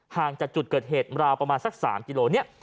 ห่างจากจุดเกิดเหตุราวประมาณสัก๓กิโลเนี่ย